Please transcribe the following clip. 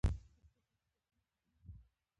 پښتو باید بیا د پښتنو په زړونو کې ځای ونیسي.